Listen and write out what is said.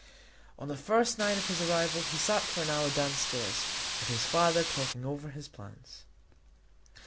On the first night of his arrival he sat for an hour downstairs with his father talking over his plans.